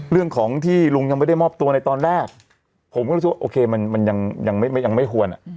เรื่องของที่ลุงยังไม่ได้มอบตัวในตอนแรกผมก็รู้สึกว่าโอเคมันยังไม่ควร